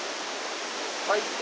はい。